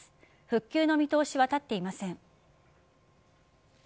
復旧の見通しは立っていません。